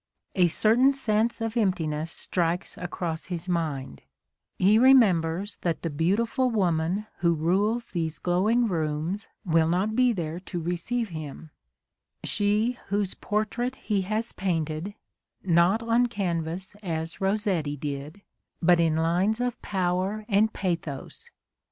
A certain sense of emptiness strikes across his mind, — he remembers that the beautiful woman who rules these glow ing rooms will not be there to receive him, — she whose portrait he has painted, not on canvas as Rossetti did, but in lines of power and pathos.